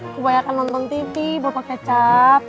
aku bayakan nonton tv bapak kecap